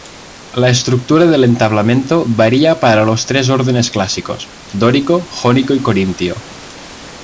La estructura del entablamento varía para los tres órdenes clásicos: Dórico, Jónico y Corintio.